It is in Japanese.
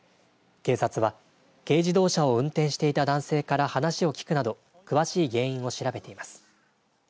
警察は軽自動車を運転していた男性から話を聞くなど詳しい原因を調べています。